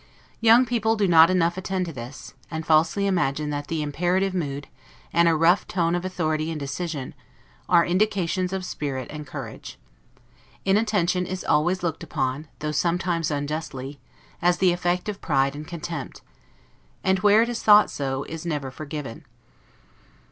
Young people do not enough attend to this; and falsely imagine that the imperative mood, and a rough tone of authority and decision, are indications of spirit and courage. Inattention is always looked upon, though sometimes unjustly, as the effect of pride and contempt; and where it is thought so, is never forgiven.